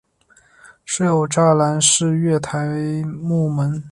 设有栅栏式月台幕门。